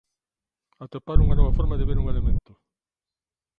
Atopar unha nova forma de ver un elemento.